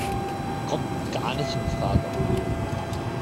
Kommt gar nicht infrage!